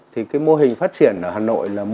thì cái mô hình phát triển ở hà nội